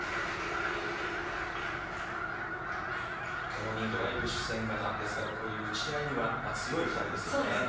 共にドライブ主戦型ですから打ち合いには強い２人です。